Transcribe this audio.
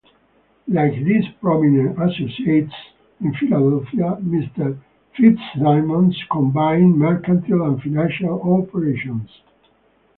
Like his prominent associates in Philadelphia, Mister Fitzsimmons combined mercantile and financial operations.